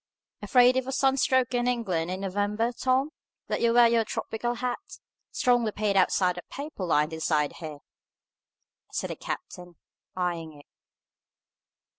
"Afraid of a sun stroke in England in November, Tom, that you wear your tropical hat, strongly paid outside and paper lined inside, here?" said the captain, eyeing it.